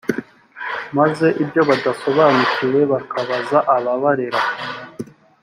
maze ibyo badasobanukiwe bakabaza ababarera